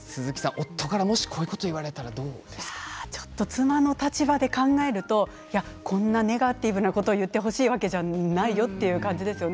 夫からもしこういうこと妻の立場で考えるとこんなネガティブなこと言ってほしいわけじゃないよっていう感じですよね。